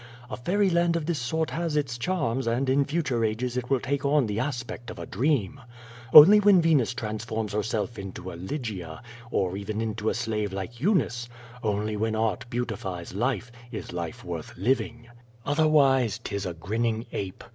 A fairy land of this sort has its charms and in future ages it will take on the aspect of a dream. Only when Venus transforms herself into a Lygia, or even into a slave like Eunice, only when art beautifies life, is life worth living. QUO VADI8. 145 Otherwise His a grinning ape.